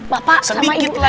bapak sama ibu